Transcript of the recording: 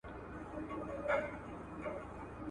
او مقاومت نه مړېدونکي مشالونه وګرځي